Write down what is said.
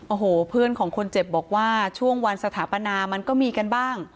โอ้โหเพื่อนของคนเจ็บบอกว่าช่วงวันสถาปนามันก็มีกันบ้าง